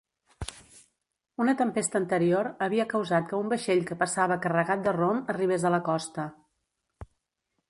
Una tempesta anterior havia causat que un vaixell que passava carregat de rom arribés a la costa.